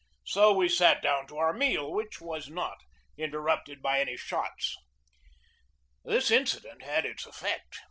So we sat down to our meal, which was not interrupted by any shots. This incident had its effect.